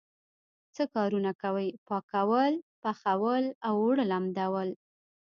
څه کارونه کوئ؟ پاکول، پخول او اوړه لمدول